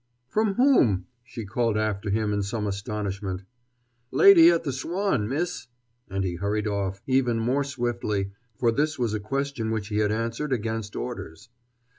"From whom?" she called after him in some astonishment. "Lady at the Swan, miss" and he hurried off even more swiftly, for this was a question which he had answered against orders.